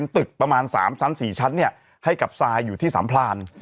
ตึกประมาณ๓ชั้น๔ชั้นให้กับทรายอยู่ที่สัมพลาน